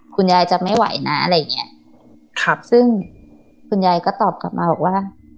คุณยายจะไม่ไหวนะอะไรอย่างเงี้ยครับซึ่งคุณยายก็ตอบกลับมาบอกว่า